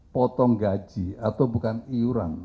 potong gaji atau bukan iuran